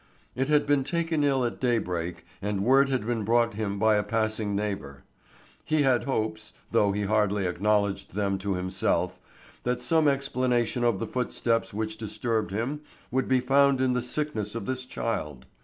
It had been taken ill at daybreak and word had been brought him by a passing neighbor. He had hopes, though he hardly acknowledged them to himself, that some explanation of the footsteps which disturbed him would be found in the sickness of this child.